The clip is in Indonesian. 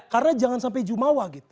karena jangan sampai jumawah gitu